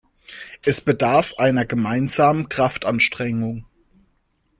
Es bedarf einer gemeinsamen Kraftanstrengung.